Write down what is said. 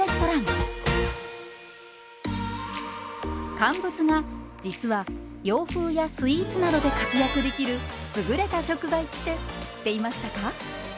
乾物が実は洋風やスイーツなどで活躍できる優れた食材って知っていましたか？